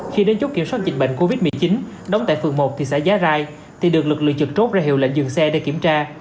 khi đến chốt kiểm soát dịch bệnh covid một mươi chín đóng tại phường một thị xã giá rai thì được lực lượng trực chốt ra hiệu lệnh dừng xe để kiểm tra